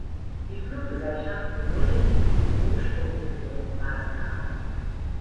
Die Fluggesellschaft begründete dies mit Umstrukturierungsmaßnahmen.